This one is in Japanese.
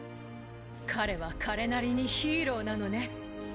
彼は彼なりにヒーローなのね。